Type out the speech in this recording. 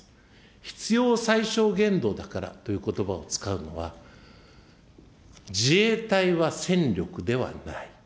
必要最小限度だからということばを使うのは、自衛隊は戦力ではない。